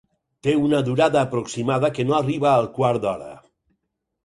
Té una durada aproximada que no arriba al quart d'hora.